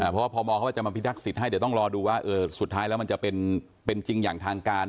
เพราะว่าพมเขาจะมาพิทักษิตให้เดี๋ยวต้องรอดูว่าสุดท้ายแล้วมันจะเป็นจริงอย่างทางการ